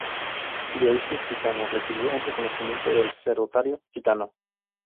De origen gitano, recibió un reconocimiento del Secretariado Gitano.